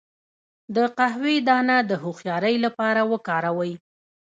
د قهوې دانه د هوښیارۍ لپاره وکاروئ